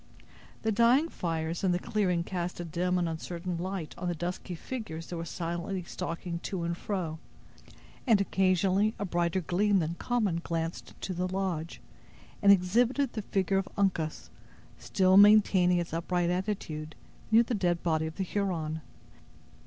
The dying fires in the clearing cast a dim and uncertain light on the dusky figures that were silently stalking to and fro; and occasionally a brighter gleam than common glanced into the lodge, and exhibited the figure of Uncas still maintaining its upright attitude near the dead body of the Huron.